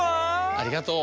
ありがとう。